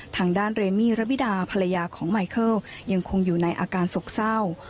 ทางด้านเรมี่ระบิดาภรรยาของไมเคิลยังคงอยู่ในอาการโศกเศร้า